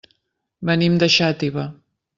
Venim de Xàtiva.